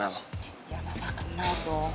ya mama kenal bong